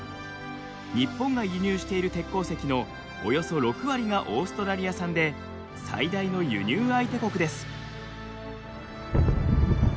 日本が輸入している鉄鉱石のおよそ６割がオーストラリア産で最大の輸入相手国です。